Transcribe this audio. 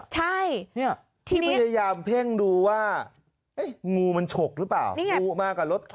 ใช่ที่พยายามเพ่งดูว่างูมันฉกหรือเปล่างูมากับรถ